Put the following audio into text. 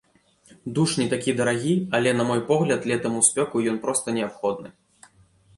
Душ не такі дарагі, але, на мой погляд, летам у спёку ён проста неабходны!